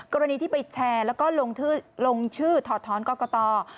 กรณีที่ไปแชร์แล้วก็ลงชื่อถอดท้อนกรกต